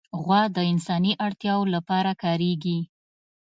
غوا د انساني اړتیاوو لپاره کارېږي.